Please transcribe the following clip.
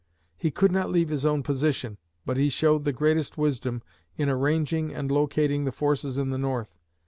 He could not leave his own position, but he showed the greatest wisdom in arranging and locating the forces in the North.